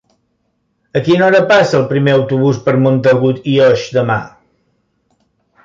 A quina hora passa el primer autobús per Montagut i Oix demà?